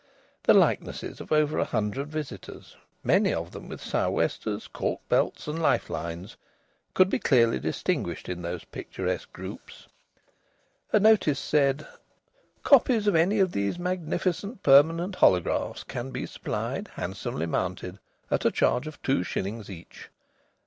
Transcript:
The likenesses of over a hundred visitors, many of them with sou' westers, cork belts, and life lines, could be clearly distinguished in these picturesque groups. A notice said: "_Copies of any of these magnificent permanent holographs can be supplied, handsomely mounted, at a charge of two shillings each.